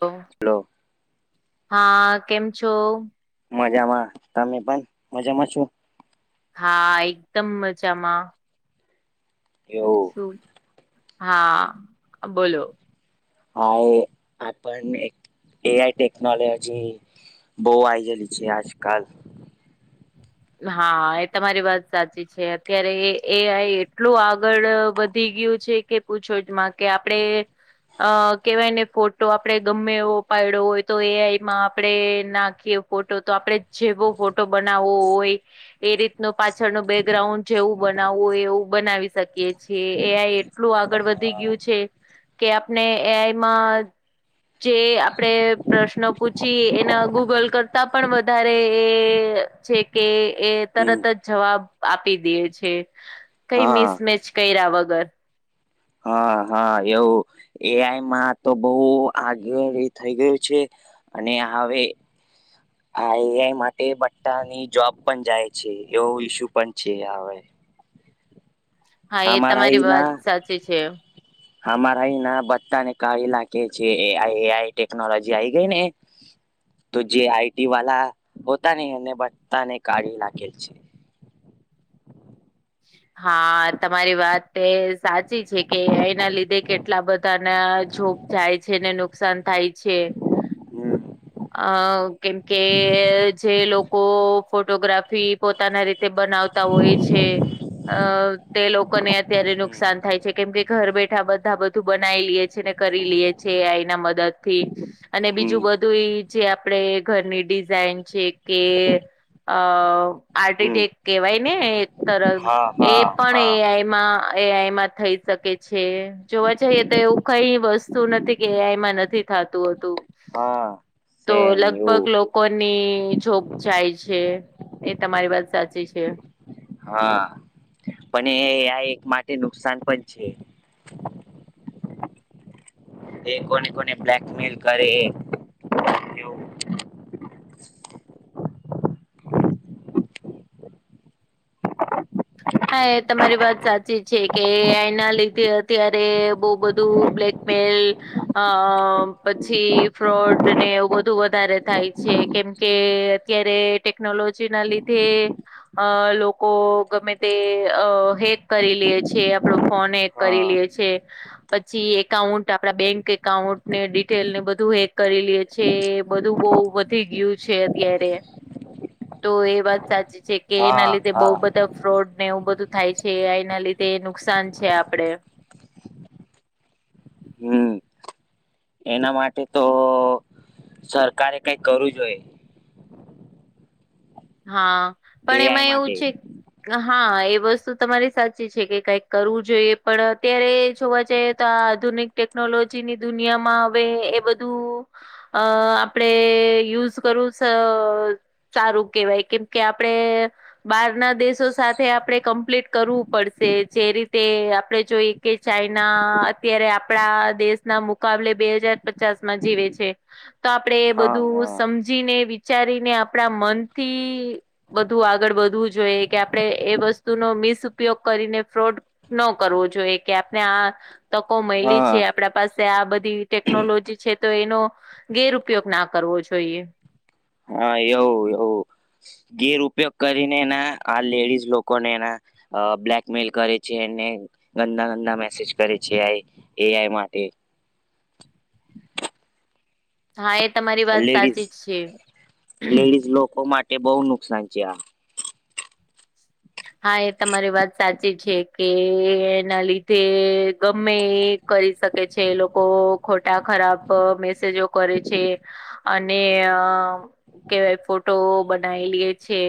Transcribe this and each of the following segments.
હાલો, hello હા કેમ છો? મજામાં તમે પણ મજામાં છો? હા એકદમ મજામાં. એવું. હા બોલો હા હું આપણને એઆઈ ટેકનોલોજી બહુ આઈ જયલી છે આજકાલ. હા એ તમારી વાત સાચી છે અત્યારે એઆઈ એટલું આગળ બ થી ગયું છે કે પૂછો જમાં કે આપડે અ કેવાયને ફોટો આપડે ગમે એવો પાડ્યો હોય તો એઆઈમાં આપણે નાખીએ ફોટો તો આપડે જેવો ફોટો બનાવવો હોય તે રીતનો પાછળ નો બેકગ્રાઉન્ડ જેવું બનાવવું હોય બનાવી શકીએ. જે એઆઈ એટલું આગળ વધી હા. ગયું છે કે આપણે એ આઈમાં જે આપડે પ્રશ્નો પૂછી એના ગૂગલ કરતા પણ વધારે એ છે કે એ હમ તરત જ જવાબ આપી દે છે કઈ હા મિસમેચ કર્યા વગર. હા હા એવું એઆઈમાં તો બહ આગળ થઈ ગયું છે. અને હવે આ એઆઈ માટે બટ્ટાની જોબ પણ જાય છે એવો ઈસ્યુ પણ છે હવે હા એ હમારા તમારી વાત સાચી છે. હમા ના બચા ને કલા કે છે આ એ આઈ ટેકનોલોજી આઈ ગઈ ને તો જે આઈટી વાળતા ને એને બતાા ને કાઢી લાગેલ છે. હા તમારી વાત તે સાચી છે કે એના લીધે કેટલા બધા ના જોપ જાય છે ને નુકસાન થાય છે. હમ. અ કેમકે જે લોકો ફોટોગ્રાફી પોતાના રીતે તે બનાવતા હોય છે અ તે લોકોને અત્યારે હમ નુકસાન થાય છે કેમ કે ઘર બેઠા બધા બધું બનાવી લઈએ છે. કરી લ છે એના મદદ થી અને હમ બીજું બધું તો એ જે આપડ ઘરની ડિઝાઇન છે કે અ હમ આર્ટિટેક્ટ કેહેવાય ને એક તરફ હા એ હા પણ હા એ એઆમાં થઈ શકે છે જોવા જઈએ તો એવું કઈ વસ્તુ શું નથી કે એઆઈમાં નથી થતું હતું હા તો સેમ લગભગ એવું લોકો કોની જોબ જાય છે એ તમારી વાત સાચી છે. હા પણ એ આ એક માટે નુકસાન પણ છે. એ કોને કોને બ્લેકમેલ કરે. જવ. હા તમારી વાત સાચી છે કે આના લીધે અત્યારે બહુ બધું બ્લેક મેલ અ પછી ફ્રોડ ને એવું બધું વધારે થાય છે. કેમ કે અત્યારે ટેકનોલોજી ના લીધે અ લોકો ગમે તે અ હેક કરી લે છે આપણો ફોન હેક કરી હા લે છે. પછી એકાઉન્ટ આપડા બેંક એકાઉન્ટ ને ડિટેલને બધું હેક કરી લે છે બહુ વધી ગયું છે અત્યારે. [inaudible] તો એ વાત સાચી છે કે એના હા લીધે હા બઉુ બધા ફ્રોડ ને એવું બધું થાય છે એના લીધે નુકસાન છે આપડે. હમ એના માટે તો સરકારે કઈ કરવું જોએ. હા પણ એઆઈ એમાં એવું માટે છે હા એ વસ્તુ તમારી સાચી છે કે કઈક કરવું જોઈએ પણ અત્યારે જોવા જઈ આધુનિક ટેકનોલોજીની દુનિયામાં હ એ બધું અ આપડે યુઝ કરું ચારું કેવાય કેમ કે આપડણે બહાર ના દેશો સાથે આપણે કમ્પ્લીટ કરવું પડશે જે રીતે આપણે જોઈ કે ચાઈના અત્યારે આપડા દેશ ના મુકાબલે બે હજાર પચાસ માં જીવે છે. તો આપણેે એ હા બધું હા સમજીને વિચારીને આપણા મનથી બધું આગળ વધવું જોઈએ કે આપણે એ વસ્તુનો મિસ ઉપયોગ કરીને ફ્રોડ ન કરવો જોઈએ કે આપણે આ તકો મળલી હા છે આપડા પાસે આ બધી ટેકનોલોજી છે તો એનો ગેરપયોગ ના કરવો જોઈએ. હા એવ એવ ગેર ઉપયોગ કરીને એના આ લેડીઝ લોકોને એના. અ બ્લેકમેલ કરે છે ને ગંદા ગંદા મેસેજ કરે છે આઈ એ આઈ માથી, હા એ તમારી લેડીઝ સાચી જ છે. લેડીઝ લોકો મા તે બહુ નુકસાન છે આ, હા એ તમારી વાત સાચી છે કે એના લીધે ગમે, કરી શકે છે લોકો ખોટા ખરાબ મેસેજો કરે છે. અને કેવાય ફોટો બનાઈ લે છે.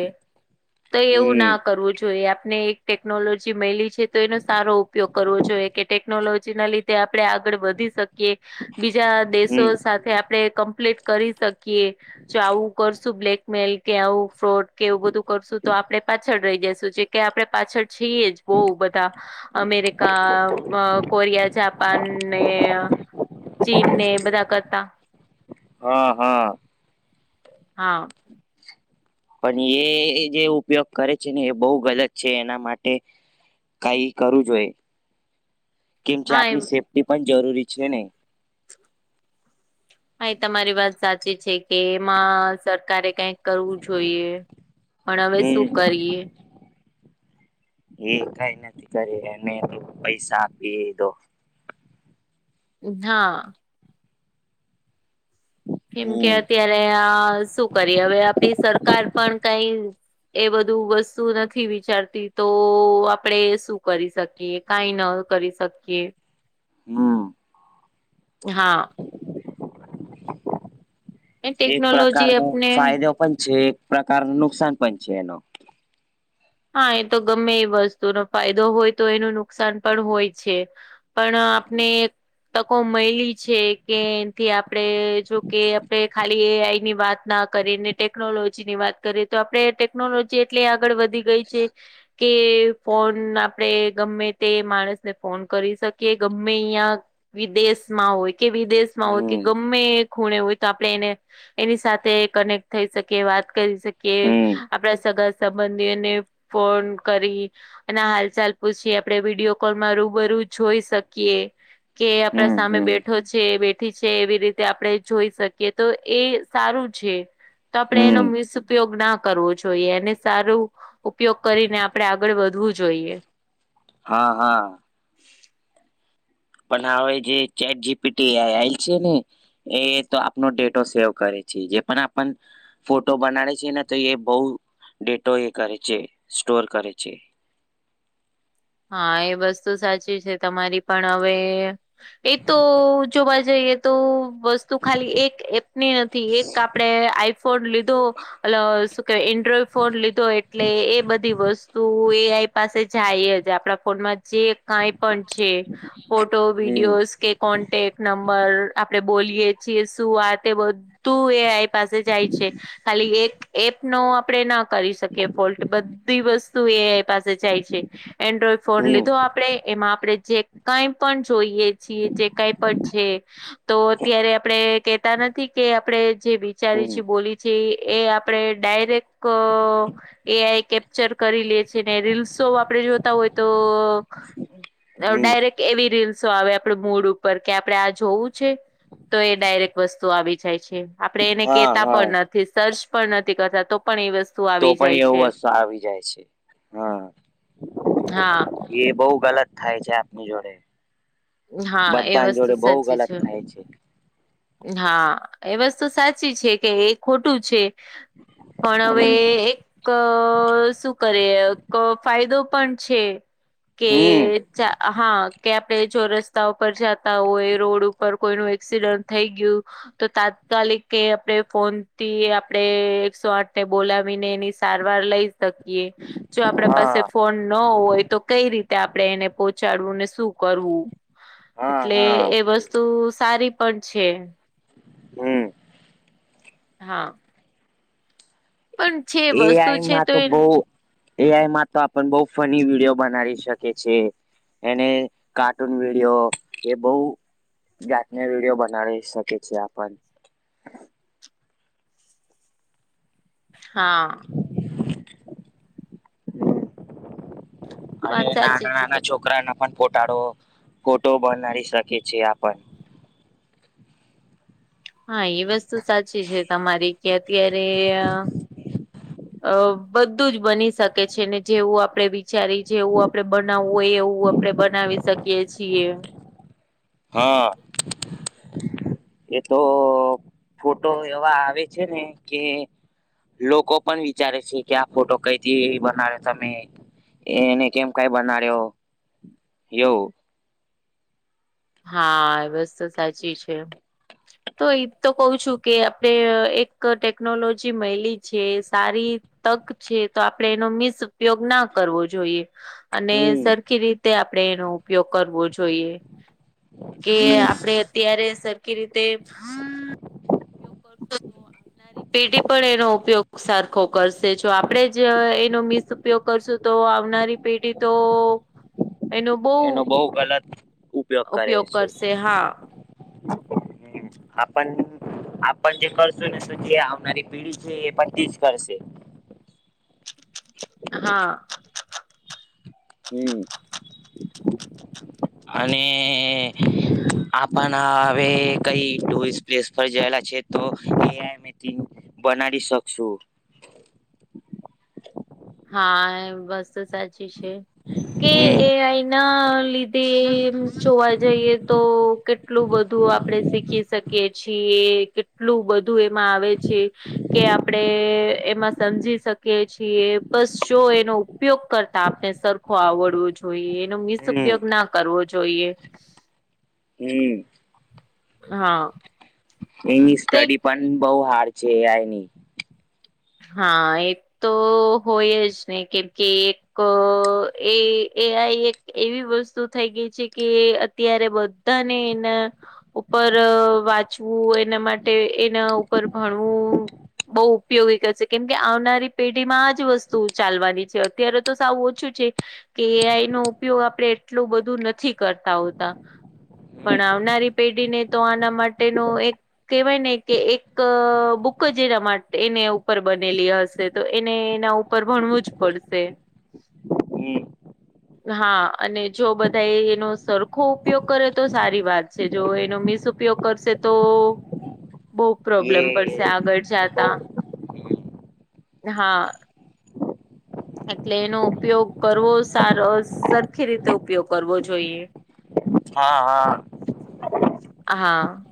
[unintelligible] એવું હમ ના, કરવું જોઈએ આપણે એક ટેકનોલોજી મળલી છે તો એનો સારો ઉપયોગ કરવો જોઈએ કે ટેકનોલોજીના લી આપણેે આગળ વધી શકીએ બીજા દેશો હમ સાથે આપણે કમ્પ્લીટ. કરી શકીએ આવું કરશું બ્લેકમેલ કે આવું ફ્રોડ કે એવું બધું, કરશું તો આપણે પાછળ રહી જશું જે કે આપણે પાછળ છીએ જ બઉ બધા, અમેરિકા કોરિયા જાપાન ને, ચીનને બધા કરતા. હા હા. હા. પણ એ જે ઉપયોગ કરે છે ને એ બહુ ગલત છે એના માટે, કાઈ કરું જોએ કે હા એ સેફ્ટી પણ જરૂરી છે ને. હા એ તમારી વાત સાચી છે કે એમાં સરકારે, કઈક કરવું જોઈએ પણ હવે હમ શું કરીએ. [unintelligible] કરે એને તો પૈસા આપીએ તો, હા. કેમ કે હમ અત્યારે આ શું કરી હવે આપડી સરકાર પણ કઈ, એ બધું વસ્તુ નથી વિચારતી તો આપડે શું કરી શકીએ. કાઈ ન કરી શકીએ. [inaudible] હા. એ એક ટેકનોલોજી પ્રકારનો આપને ફાયદો પણ છે, એક પ્રકાર નું નુકસાન પણ છે એનો. હા એ તો ગમે એ વસ્તુનો ફાયદો હોય તો એનું નુકસાન પણ હોય છે. પણ આપને, તકો મળયલી એથી આપણે જોકે આપણે ખાલી એ આઈ ની વાત ના કરી ટેકનોલોજી ની વાત કરીએ તો આપણે ટેકનોલોજી એટલી આગળ વધી ગઈ છે. કે ફોન આપડે ગમે તે માણસને ફોન કરી શકીએ ગમે ઇયા. વિદેશમાં હોય કે વિદેશ, [unintelligible] કે હમ ગમે ખૂણે હોય તો આપણે એને એની સાથે કને થઈ શકી વાત કરી શકીએ હમ આપડા સગા સંબંધીઓને ફોન કરી, અને હાલ ચાલ પૂછી આપડણે વિડીયો કોલમાં રૂબરૂ જોઈ શકીએ. કે આપડા હમ સામે હમ બેઠો છે. બે થી છે એવી રીતે આપણે જોઈ શકીએ તો એ સારું છે તો આપણે એનો હમ મિસ ઉ ઉપયોગ ના કરવો જોઈએ એને સારું ઉપયોગ આપડણે આગળ વધવું જોઈએ. હા. હા. પણ હવે જે ચેટ જીપીટી [unintelligible] છે ને, એ તો આપનો ટેટો સેવ કરે છે જે પણ આપણ, ફોટો બનાવે છે ને તો એ બહુ ડેટો એ કરે છે સ્ટોર કરે છે. હા એ વસ્તુ સાચી છે તમારી પણ હવે ઈ તો જોવા જઈએ તો વસ્તુ ખાલી એક એપની નથી એક આપણે આઈફોન લીધો અલો કે એન્ડ્રોઈડ ફોન લીધો એટલે એ બધી વસ્તુ એ આઈ પાસે જાય જ. જે આપણા ફોનમાં જે કઈ પણ છે ફોટો હમ વિડીયોજ કે કોન્ટેક નંબર આપડે બોલીય છીએ શું વાત એ તે બધ તુ એઆઈ પાસે જાય છે ખાલી એક એપ નો આપડે ના કરી શકે ફોલ્ટ બધી વસ્તુ એઆઈ પાસે જાય છે. એન્ડ્રોઈડ ફોન હમ લીધો આપડે એમાં આપડણે જે કઈ પણ જોઈએ જી જે કાઈ પણ છે. તો અત્યારે આપણે કેતા નથી કે આપણેે જે વિચારી હમ છએ બોલી છએ એ આપણે ડાયરેક્ટ અ એઆઈ કેપ્ચર કરી લે છે ને રીલ્સો આપણે જો જોતા હોય તો અ હમ ડાયરેક એવી રીલ્સો આવે આપડ મૂડ ઉપર કે આપડે આ જોવું છે. તો એ ડાયરેક્ટ વસ્તુ આવી જાય છે. આપડે એને હા કેતા હા પણ નથી સર્ચ પણ નથી કરતા તો પણ એ વસ્તુ તો આવી પણ જાય છે એવું વસ્તુ આવી જાય છે હમ. હા. એ બહુ ગલત થાય છે આપની જોડે. હા એ બધાની વસ્તુ જોડે બહુ સાચી ગલત થાય છે. હા એ વસ્તુ સાચી છે કે એ ખોટું છે પણ હવે હમ એક ક શું કરે કો ફાયદો પણ છે કે હમ ચા હા કે આપણે જો રસ્તા ઉપર જાતા હોય રોડ ઉપર કોઈ નુ એક્સિડન્ટ થઈ ગયું. તો તાત્કાલિક એ આપણે ફોનથી આપણેે એકસો આઠને બોલાવીને એની સારવાર લઈ શકીએ. જો આપડા પાસે હા ફોન ન હોય તો કઈ રીતે આપડે એને પોહોચાડવું ને શું કરવું. હા એટલે હા એ વસ્તુ સારી પણ છે. હમ. હા. પણ છે એ વસ્તુ આઈ છે માં તો એ બહુ એ આઈમાં તો આપણ બઉ ફની વિડીયો બનાવી શકે છે. એને કાર્ટૂન વિડીયો એ બહુ જાતને વિડીયો બનાવી શકે છે આપણ હા. [inaudible] અને વાત સાચી છે નાના-નાના તમારી છોકરા ના. પણ ફોટાળો ફોટો બનાવી શકીએ છે આપણ હા એ વસ્તુ સાચી છે તમારી કે અત્યારે અ બધું જ બની શકે છે. ને જેવું આપડે વિચારી જેવું આપડે બનાવવું હોય એવું આપડે બનાવી શકીએ છીએ. હા. એ તો ફોટો એવા આવે છે. ને કે, લોકો પણ વિચારે છે કે, આ ફોટો કઈથી બનાવે તમે. એને કેમ કઈ બનાડ્યો એવું. હાઆ એ વસ્તુ સાચી છે. તો ઈ તો કઉ છું. કે આપણે એક ટેકનોલોજી મયલી છે. સારી તક છે તો, આપણે એનો મિસ ઉપયોગ ના કરવો જોઈએ. અને હમ સરખી રીતે આપણેે એનો ઉપયોગ કરવો જોઈએ. કે હમ આપડે અત્યારે સરખી રીતે [inaudible] ઉપયોગ [unintelligible] પેઢી પણ એનો ઉપયોગ સરખો કરશે. જો આપણેે જ એનો મિસ ઉપયોગ કરશું તો આવનારી પેઢી તો, [unintelligible] એનો બહુ ગલત ઉપયોગ કરે છે. [inaudible] કરશે હા આ પાન આપણ જે કરશો ને તો જે આવનારી પેઢી છે. એ પણ તે જ કરશે. હા.. હમ્મ અને આપાન ના હવે કઈ ટુરિસ્ટ પ્લેસ પર જયેલા છે. તો એ [inaudible] બનાડી શકશું. હા વાત તો સાચી છે. કે હમ એ. આઈ. ના લીધ તે જોવા જઈ એ તો, કેત કેટલું બધું આપડે શીખી શકીએ છીએ. કેટલું બધું એમાં આવે છે. કે આપડે એ.. એમાં સમજી શકીએ છીએ. બસ જો એનો ઉપયોગ કરતા આપને સરખો આવડવો જોઈએ. એનો મિસ હમ ઉપયોગ ના કરવો જોઈએ. હમ્મ હાઆ એની સ્ટડી પણ બહુ હાર્ડ છે. એ. આઈ. ની હા.. એ તો હોય જ ને કેમ કે એક અ.. એ એ. આઈ. એક એવી વસ્તુ થઈ ગઈ છે. કે એ અત્યારે બધાને એના ઉપર વાંચવું એના માટે એના ઉપર ભણવું બઉ ઉપયોગી થશે કેમ કે આવનારી પેઢીમાં આ જ વસ્તુ ચાલવાની છે. અત્યારે તો સાવ ઓછું છે. કે એ. આઈ. નો ઉપયોગ આપણે એટલું બધું નથી કરતા હોતા. પણ હમ આવનારી પેઢીને તો આના માટેનું એક. કેવાય ને કે એક અ.. બુકજ એના માટે એને ઉપર બનેલી હશે. તો એને એના ઉપર ભણવુંજ પડશે. હમ હા અને જો બધા એનો સરખો ઉપયોગ કરે તો, સારી વાત છે. જો એનો મિસ ઉપયોગ કરશે તો, [unintelligible] બહુ એ પ્રોબ્લમ પડશે આગળ બઉ જતા. હા. એટલે એનો ઉપયોગ કરવો સારો સરખી રીતે ઉપયોગ કરવો જોઈએ. હા હા. હા.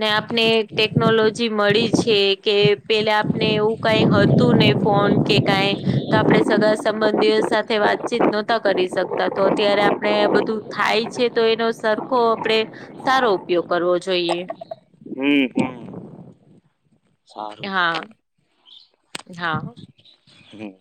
ને આપને ટેકનોલોજી મળી છે કે પેલા આપને એવું કઈ હતું તું નહી ફોન કે કઈ આપણે સગા સંબંધીઓ સાથે વાતચીત નહોતા કરી શકતા તો અત્યારે આપણે બધું થાય છે તો એનો સરખો આપણેે સારો ઉપયોગ કરવો જોઈએ. હમ કો. હા. હા. હમ